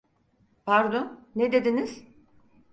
Pardon, ne dediniz?